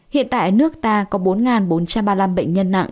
hiện tại nước ta có bốn bốn trăm ba mươi năm bệnh nhân nặng